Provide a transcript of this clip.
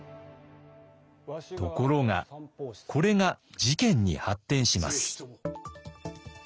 ところがこれが事件に発展します。